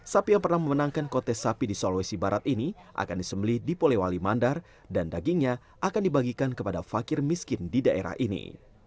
sapi yang pernah memenangkan kote sapi di sulawesi barat ini akan disembeli di polewali mandar dan dagingnya akan dibagikan kepada fakir miskin di daerah ini